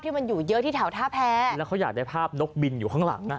มันอยู่เยอะที่แถวท่าแพ้แล้วเขาอยากได้ภาพนกบินอยู่ข้างหลังนะ